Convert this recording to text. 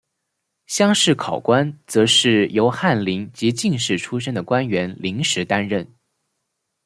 乡试考官则是由翰林及进士出身的官员临时担任。